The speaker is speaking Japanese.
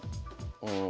うん。